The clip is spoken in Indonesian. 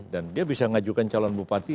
dan dia bisa mengajukan calon bupati